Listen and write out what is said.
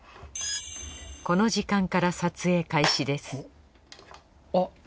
この時間から撮影開始ですあっ